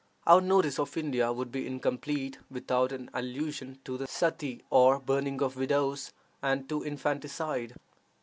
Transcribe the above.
Our notice of India would be incomplete without an allusion to the suttee, or burning of widows, and to infanticide.